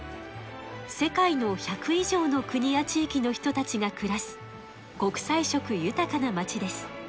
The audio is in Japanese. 世界の１００いじょうの国やちいきの人たちがくらす国さい色ゆたかな町です。